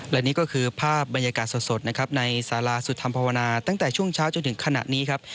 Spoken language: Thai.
และนี่ก็คือภาพบรรยากาศสดนะครับในสาราสุธรรมภาวนาตั้งแต่ช่วงเช้าจนถึงขณะนี้ครับ